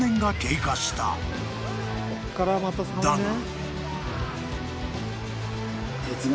［だが］